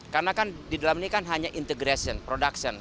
karena kan di dalam negeri kan hanya integration production